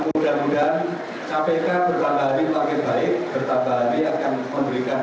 mudah mudahan kpk bertahun hari makin baik bertambah hari akan memberikan